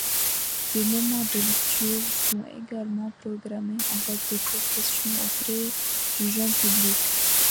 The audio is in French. Des moments de lecture sont également programmés avec des professionnels auprès du jeune public.